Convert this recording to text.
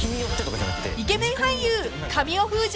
［イケメン俳優］え！？